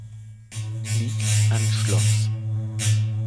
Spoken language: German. Lig anschloss.